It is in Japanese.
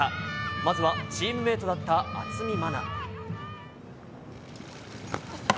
まずはチームメートだった渥美万奈。